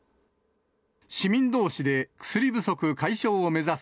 市民どうしで薬不足解消を目指す